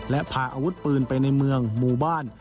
และพาอาวุธปืนไปในเมืองหมู่บ้าน